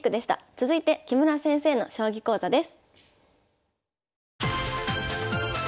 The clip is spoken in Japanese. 続いて木村先生の将棋講座です。